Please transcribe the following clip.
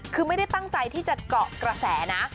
คือไม่ได้ตั้งใจที่จะเกาะกระแสนะ